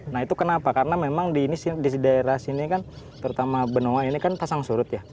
nah itu kenapa karena memang di daerah sini kan terutama benoa ini kan pasang surut ya